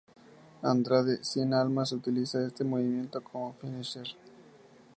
Andrade "Cien" Almas utiliza este movimiento como Finisher.